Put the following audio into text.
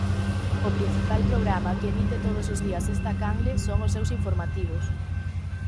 O principal programa que emite todos os días esta canle son os seus informativos.